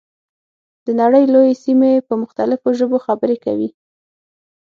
د نړۍ لویې سیمې په مختلفو ژبو خبرې کوي.